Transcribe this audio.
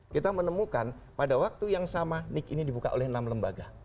kita menemukan pada waktu yang sama nik ini dibuka oleh enam lembaga